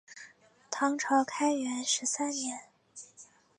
唐朝开元十三年。